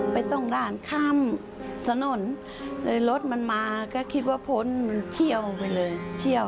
ไปส่องด่านข้ามสนุนโดยรถมันมาก็คิดว่าผนเที่ยว